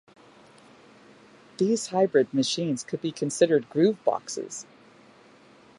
These hybrid machines could be considered 'grooveboxes'.